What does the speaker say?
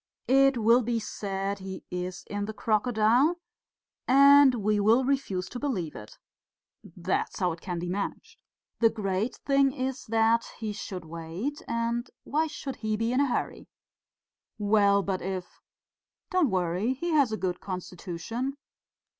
It will be said he is in the crocodile, and we will refuse to believe it. That is how it can be managed. The great thing is that he should wait; and why should he be in a hurry?" "Well, but if ..." "Don't worry, he has a good constitution...."